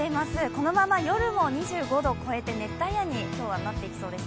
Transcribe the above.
このまま夜も２５度を超えて熱帯夜になりそうです。